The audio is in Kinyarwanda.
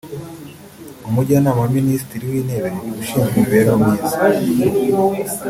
Umujyanama wa Minisitiri w’Intebe ushinzwe imibereho myiza